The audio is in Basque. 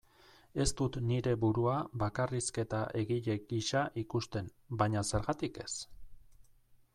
Ez dut nire burua bakarrizketa-egile gisa ikusten, baina zergatik ez?